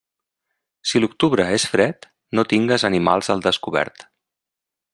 Si l'octubre és fred, no tingues animals al descobert.